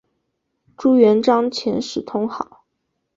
朱元璋遣使通好。